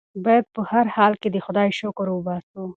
بايد په هر حال کې د خدای شکر وباسو.